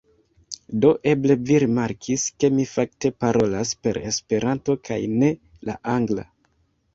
Do eble vi rimarkis, ke mi fakte parolas per Esperanto kaj ne la angla.